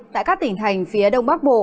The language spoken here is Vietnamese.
tại các tỉnh thành phía đông bắc bộ